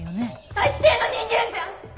最低の人間じゃん！